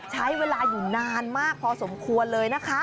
ใช้เวลาอยู่นานมากพอสมควรเลยนะคะ